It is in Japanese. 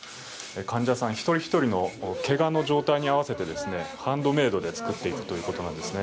患者さん一人一人のけがの状態に合わせてハンドメイドで作っているということなんですね。